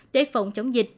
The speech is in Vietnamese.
để phòng chống dịch